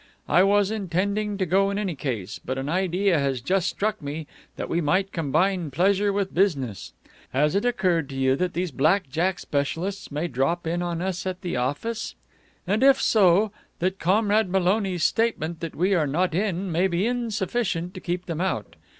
I was intending to go in any case, but an idea has just struck me that we might combine pleasure with business. Has it occurred to you that these black jack specialists may drop in on us at the office? And, if so, that Comrade Maloney's statement that we are not in may be insufficient to keep them out?